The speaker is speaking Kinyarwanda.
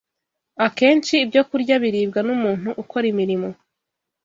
Akenshi ibyokurya biribwa n’umuntu ukora imirimo